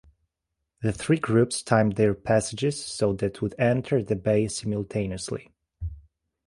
The three groups timed their passages so that would enter the bay simultaneously.